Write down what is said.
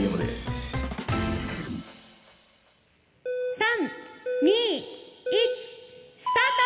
３２１スタート！